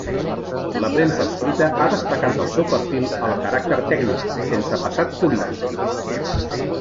La premsa escrita ha destacat del seu perfil el caràcter tècnic, sense passat polític.